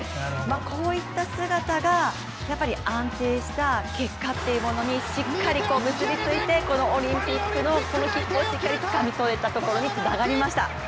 こういった姿が、やっぱり安定した結果というのにしっかり結びついてこのオリンピックの切符をつかみ取れたところにつながりました。